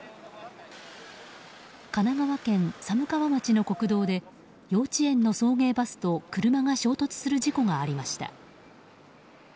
神奈川県寒川町の国道で幼稚園の送迎バスと車が衝突する事故がありました。